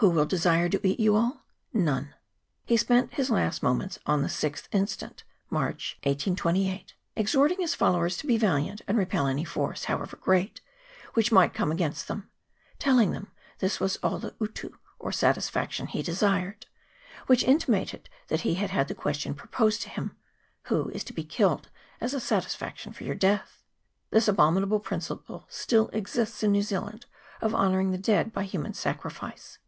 ' Who will desire to eat you all ? None !'" He spent his last moments on the 6th instant (March, 1828), exhorting his followers to be valiant, and repel any force, however great, which might come against them ; telling them this was all the ' utu/ or satisfaction, he desired ; which intimated that he had had the question proposed to him ' Who is to be killed as a satisfaction for your death ?' This abominable principle still exists in New Zea land of honouring the dead by human sacrifice.